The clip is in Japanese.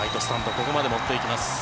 ここまで持っていきます。